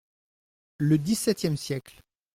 Le dix-septième siècle.